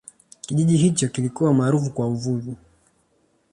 kijiji hicho kilikuwa maarufu kwa uvuvi